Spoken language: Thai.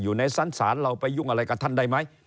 อยู่ในชั้นศาลเราไปยุ่งอะไรกับท่านได้ไหม